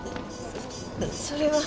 そそれは。